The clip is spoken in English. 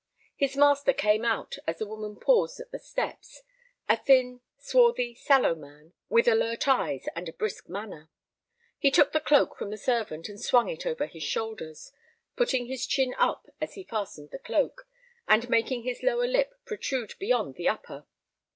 His master came out as the woman paused at the steps—a thin, swarthy, sallow man, with alert eyes and a brisk manner. He took the cloak from the servant and swung it over his shoulders, putting his chin up as he fastened the cloak, and making his lower lip protrude beyond the upper.